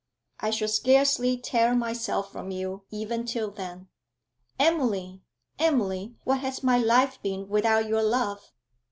'I shall scarcely tear myself from you even till then. Emily, Emily, what has my life been without your love?